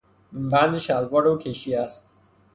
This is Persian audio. بند شلوار او کشی است.